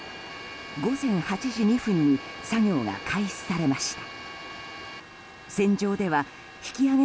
午前８時２分に作業が開始されました。